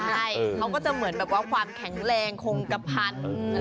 ใช่เขาก็จะเหมือนแบบว่าความแข็งแรงคงกระพัน